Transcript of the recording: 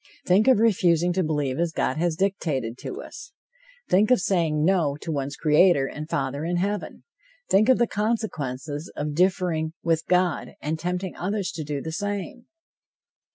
Think of refusing to believe as God has dictated to us! Think of saying no! to one's Creator and Father in Heaven! Think of the consequences of differing with God, and tempting others to do the same!